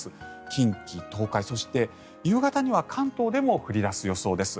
近畿・東海、そして夕方には関東でも降り出す予想です。